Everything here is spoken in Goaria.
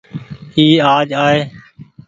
اي آج آئي۔